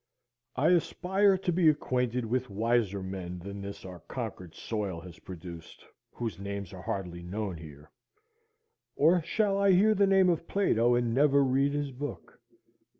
I aspire to be acquainted with wiser men than this our Concord soil has produced, whose names are hardly known here. Or shall I hear the name of Plato and never read his book?